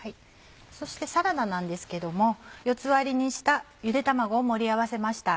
そしてサラダなんですけども４つ割りにしたゆで卵を盛り合わせました。